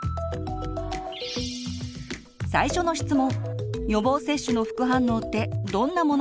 最初の質問！